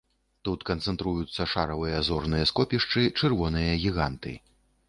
Тут канцэнтруюцца шаравыя зорныя скопішчы, чырвоныя гіганты.